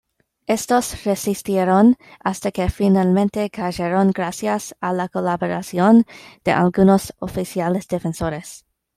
Estos resistieron hasta que finalmente cayeron gracias a la colaboración de algunos oficiales defensores.